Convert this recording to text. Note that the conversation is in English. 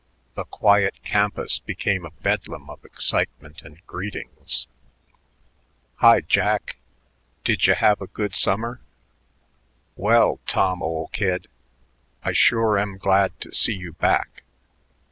The quiet campus became a bedlam of excitement and greetings. "Hi, Jack. Didya have a good summer?"... "Well, Tom, ol' kid, I sure am glad to see you back."...